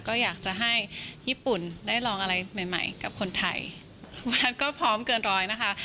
ก็อยากจะให้ญี่ปุ่นได้ลองอะไรใหม่ใหม่กับคนไทยวันนั้นก็พร้อมเกินร้อยนะคะ